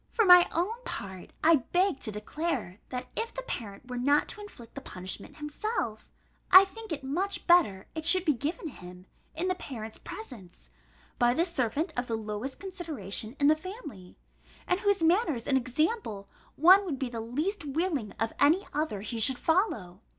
For my own part, I beg to declare, that if the parent were not to inflict the punishment himself, I think it much better it should be given him, in the parent's presence, by the servant of the lowest consideration in the family, and whose manners and example one would be the least willing of any other he should follow.